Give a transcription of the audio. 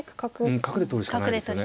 うん角で取るしかないですね。